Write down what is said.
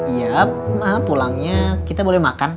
iya pulangnya kita boleh makan